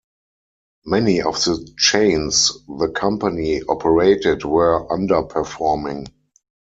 Many of the chains the company operated were underperforming.